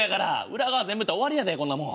裏側全部言ったら終わりやでこんなもん。